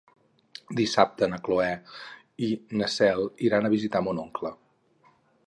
Dissabte na Cloè i na Cel iran a visitar mon oncle.